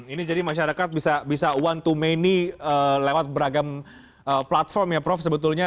ini jadi masyarakat bisa one to many lewat beragam platform ya prof sebetulnya